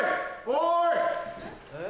おい・